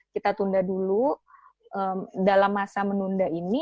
kita tunda dulu dalam masa menunda ini